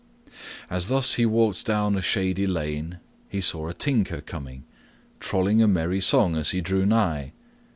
As thus he walked down a shady lane he saw a tinker coming, trolling a merry song as he drew nigh.